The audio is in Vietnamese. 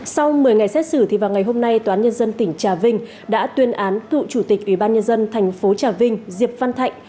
sau một mươi ngày xét xử vào ngày hôm nay toán nhân dân tỉnh trà vinh đã tuyên án cựu chủ tịch ủy ban nhân dân thành phố trà vinh diệp văn thạnh